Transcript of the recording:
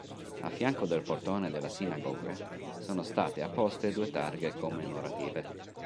A fianco del portone della sinagoga, sono state apposte due targhe commemorative.